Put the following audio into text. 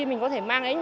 mình có thể mang